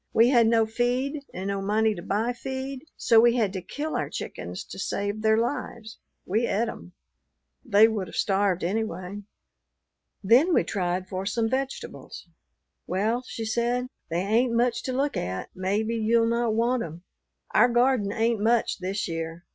We had no feed and no money to buy feed, so we had to kill our chickens to save their lives. We et 'em. They would have starved anyway." Then we tried for some vegetables. "Well," she said, "they ain't much to look at; maybe you'll not want 'em. Our garden ain't much this year.